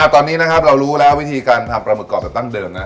ตอนนี้นะครับเรารู้แล้ววิธีการทำปลาหมึกกรอบแบบดั้งเดิมนะ